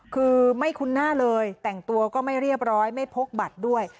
คือไม่คุ้นหน้าเลยแต่งตัวก็ไม่เรียบร้อยไม่พกบัตรด้วย